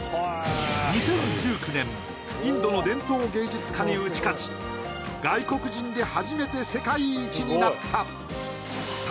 ２０１９年インドの伝統芸術家に打ち勝ち外国人で初めて世界一になった